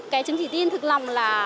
cái chứng chỉ tin thực lòng là